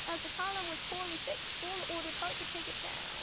As the column was poorly fixed, Buller ordered Hart to take it down.